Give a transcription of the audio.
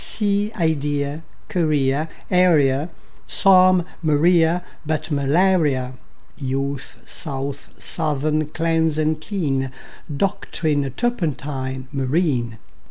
Sea, idea, guinea, area, Psalm; Maria, but malaria; Youth, south, southern; cleanse and clean; Doctrine, turpentine, marine.